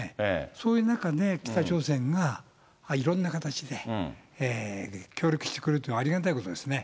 そういう中で、北朝鮮がいろんな形で協力してくるということはありがたいことですよね。